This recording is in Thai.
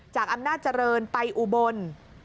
จากอำนาจเจริญไปอุบล